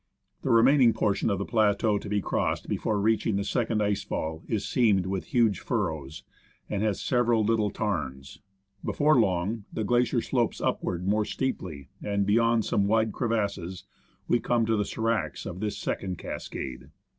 The remaining portion of the plateau to be crossed before reaching the second ice fall is seamed with huge furrows, and has several little tarns ; before long, the glacier slopes upwards more steeply, and beyond some wide crevasses, we come to the sc'racs of this second cascade.